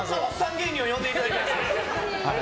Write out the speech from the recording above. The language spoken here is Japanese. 芸人を呼んでいただいて。